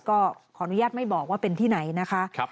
ก็ขออนุญาตไม่บอกว่าเป็นที่ไหนนะคะ